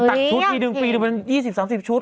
ขักชุดทีดึงปีเดียวมัน๒๐๓๐ชุด